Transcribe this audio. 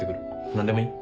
何でもいい？